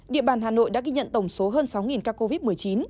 địa bàn hà nội đã ghi nhận tổng số hơn sáu ca covid một mươi chín